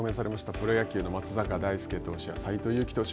プロ野球の松坂大輔投手や斎藤佑樹投手。